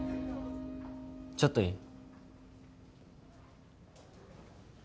ちょっといい？